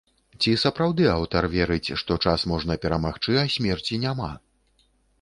Ці сапраўды аўтар верыць, што час можна перамагчы, а смерці няма?